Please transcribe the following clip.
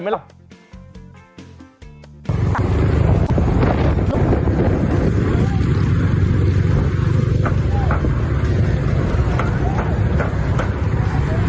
จัดกระบวนพร้อมกัน